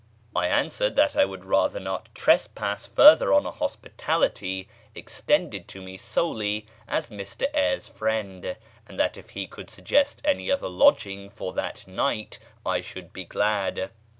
I answered that I would rather not trespass further on a hospitality extended to me solely as Mr Eyres' friend, and that if he could suggest any other lodging for that night I should be glad.